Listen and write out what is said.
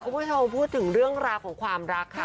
คุณผู้ชมพูดถึงเรื่องราวของความรักค่ะ